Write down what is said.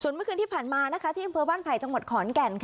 ส่วนเมื่อคืนที่ผ่านมาที่บ้านใช้วิววิวของทางขอนแก่น